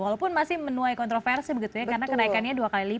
walaupun masih menuai kontroversi begitu ya karena kenaikannya dua kali lipat